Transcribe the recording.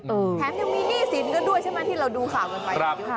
แถมยังมีนี่สินก็ด้วยที่เราดูข่าวเมื่อกี้